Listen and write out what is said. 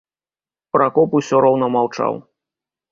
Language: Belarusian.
Пракоп усё роўна маўчаў.